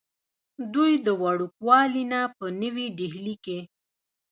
دوي د وړوکوالي نه پۀ نوي ډيلي کښې